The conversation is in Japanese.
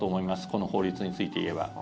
この法律について言えば。